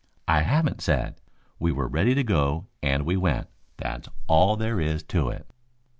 "I haven't said. We were ready to go and we went, that's all there is to it."